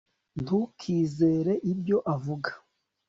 ntukizere ibyo avuga